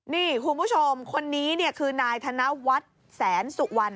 นี่คุณผู้ชมคนนี้เนี่ยคือนายธนวัฒน์แสนสุวรรณ